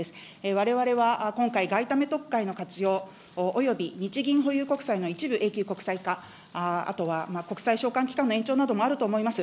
われわれは今回、外為特会の活用および日銀保有国債の一部永久国債化、あとは、国債償還期間などの延長もあると思います。